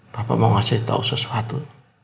papa mau kasih tau sesuatu